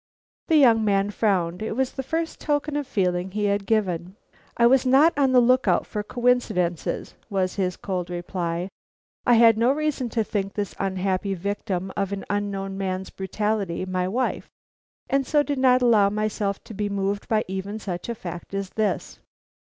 The young man frowned. It was the first token of feeling he had given. "I was not on the look out for coincidences," was his cold reply. "I had no reason to think this unhappy victim of an unknown man's brutality my wife, and so did not allow myself to be moved by even such a fact as this."